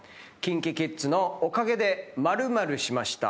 ＫｉｎＫｉＫｉｄｓのおかげで○○しました！